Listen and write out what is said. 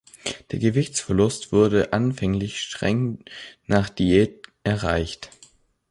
Der Gewichtsverlust wurde anfänglich streng nach Diät erreicht.